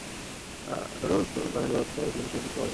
Noodles noodles না ভেজে বরং সেদ্ধ করে খেলে পুষ্টিগুণ বেশি পাওয়া যায়।